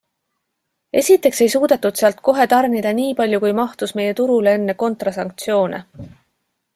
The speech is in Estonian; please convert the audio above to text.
Esiteks ei suudetud sealt kohe tarnida niipalju, kui mahtus meie turule enne kontrasanktsioone.